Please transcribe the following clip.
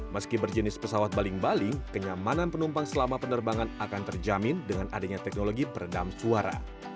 meski berjenis pesawat baling baling kenyamanan penumpang selama penerbangan akan terjamin dengan adanya teknologi peredam suara